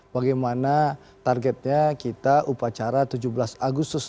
bagaimana targetnya kita upacara tujuh belas agustus